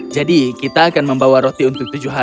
jadi kita akan membawa roti untuk tujuh hari